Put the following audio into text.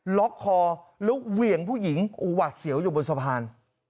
ล็อกคอแล้วเหวี่ยงผู้หญิงอูหวาดเสียวอยู่บนสะพาน